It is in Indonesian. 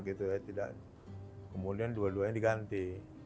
kemudian dua duanya diganti